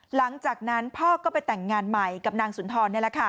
หลังจากนั้นพ่อก็ไปแต่งงานใหม่กับนางสุนทรนี่แหละค่ะ